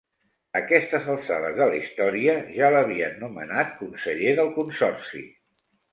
A aquestes alçades de la història ja l'havien nomenat conseller del consorci.